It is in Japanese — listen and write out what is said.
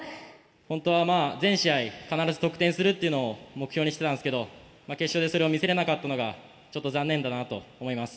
本当は全試合必ず得点するっていうのを目標にしてたんですけど決勝でそれを見せれなかったのがちょっと残念だなと思います。